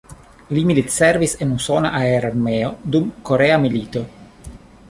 Li militservis en usona aerarmeo dum Korea milito.